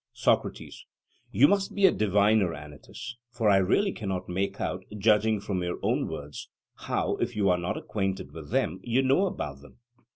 SOCRATES: You must be a diviner, Anytus, for I really cannot make out, judging from your own words, how, if you are not acquainted with them, you know about them.